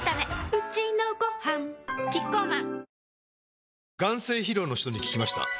うちのごはんキッコーマン